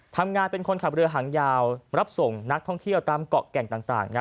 ทำงานเป็นคนขับเรือหางยาวรับส่งนักท่องเที่ยวตามเกาะแก่งต่าง